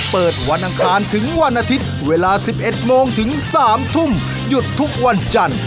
เปิดวันอังคารถึงวันอาทิตย์เวลา๑๑โมงถึง๓ทุ่มหยุดทุกวันจันทร์